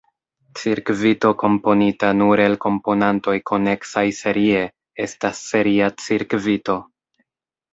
Cirkvito komponita nur el komponantoj koneksaj serie estas seria cirkvito.